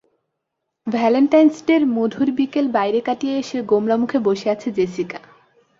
Valentine's ডের মধুর বিকেল বাইরে কাটিয়ে এসে গোমড়ামুখে বসে আছে জেসিকা।